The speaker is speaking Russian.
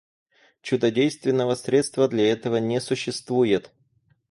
Чудодейственного средства для этого не существует.